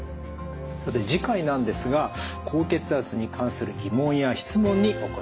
次回なんですが高血圧に関する疑問や質問にお応えします。